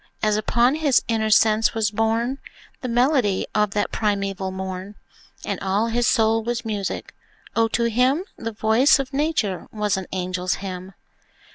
as upon his inner sense was borne The melody of that primeval morn, And all his soul was music, O, to him The voice of Nature was an angel's hymn!